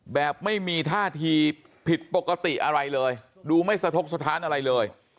แบบไม่มีท่าทีผิดปกติอะไรเลยดูไม่สะทกสถานอะไรเลย